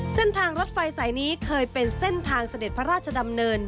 เส้นทางรถไฟสายนี้เคยเป็นเส้นทางเสด็จพระราชดำเนิน